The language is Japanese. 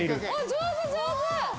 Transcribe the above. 上手上手！